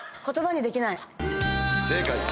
『言葉にできない』正解。